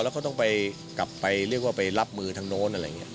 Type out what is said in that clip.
แล้วก็ต้องไปกลับไปเรียกว่าไปรับมือทางโน้นอะไรอย่างนี้